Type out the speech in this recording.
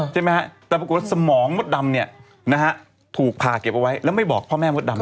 ใช่ไหมฮะแต่ปรากฏว่าสมองมดดำเนี่ยนะฮะถูกผ่าเก็บเอาไว้แล้วไม่บอกพ่อแม่มดดำ